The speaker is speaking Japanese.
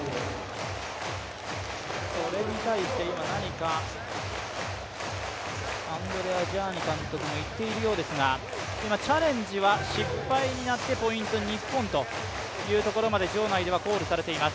これに対して今、何かアンドレア・ジャーニ監督が言っているようですが今チャレンジは失敗になってポイント、日本というところまで場内ではコールされています。